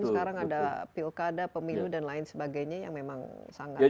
sekarang ada pok ada pemilu dan lain sebagainya yang memang sangat lawan